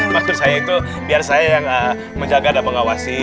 maksud saya itu biar saya yang menjaga dan mengawasi